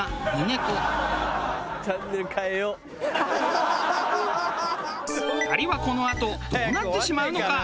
２人はこのあとどうなってしまうのか？